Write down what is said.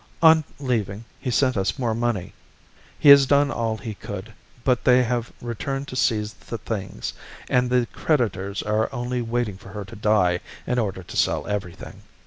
On leaving, he sent us more money; he has done all he could, but they have returned to seize the things, and the creditors are only waiting for her to die in order to sell everything.